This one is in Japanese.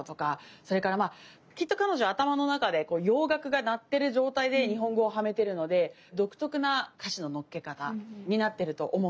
それからまあきっと彼女は頭の中で洋楽が鳴ってる状態で日本語をはめてるので独特な歌詞の乗っけ方になってると思うんです。